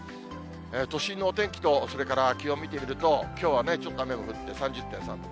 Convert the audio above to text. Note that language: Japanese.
都心のお天気と、それから気温見てみると、きょうはちょっと雨が降って３０．３度。